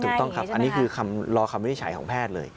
ถูกต้องครับอันนี้คือคำรอคำวินิจฉัยของแพทย์เลย